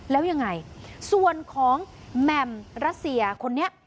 แล้วยังไงส่วนของแหม่มรัสเซียคนนี้